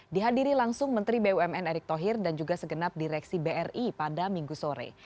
dihadiri langsung menteri bumn erick thohir dan juga segenap direksi bri pada minggu sore